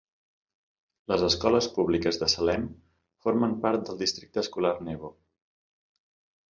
Les escoles públiques de Salem formen part del districte escolar Nebo.